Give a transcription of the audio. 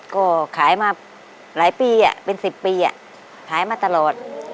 ก็ขายมาหลายปีเป็น๑๐ปีขายมาตลอด